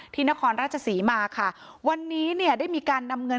นครราชศรีมาค่ะวันนี้เนี่ยได้มีการนำเงิน